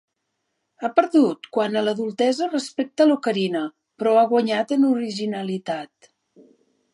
Ha perdut quant a adultesa respecte a l'Ocarina, però ha guanyat en originalitat.